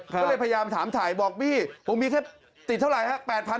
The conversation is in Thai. ก็เลยพยายามถามถ่ายบอกบี้ผมมีแค่ติดเท่าไหร่ฮะ